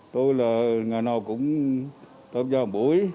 tôi là ngày nào cũng tốt cho một buổi